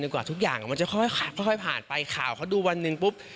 กว่าทุกอย่างมันจะค่อยผ่านไปข่าวเขาดูวันหนึ่งปุ๊บ